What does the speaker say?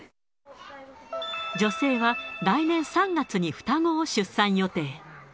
女性は来年３月に双子を出産予定。